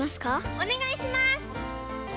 おねがいします！